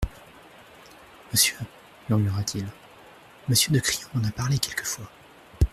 Monsieur, murmura-t-il, Monsieur de Crillon m'en a parlé quelquefois.